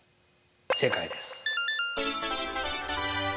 正解です。